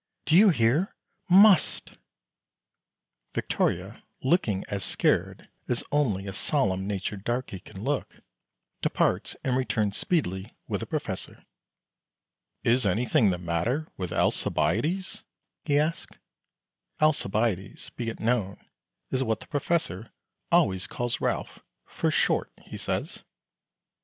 Do you hear must!" Victoria, looking as scared as only a solemn natured darky can look, departs, and returns speedily with the Professor. "Is anything the matter with Alcibiades?" he asks. Alcibiades, be it known, is what the Professor always calls Ralph "for short," he says.